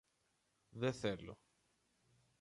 Δε θέλω